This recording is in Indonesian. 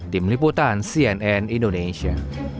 tim liputan cnn indonesia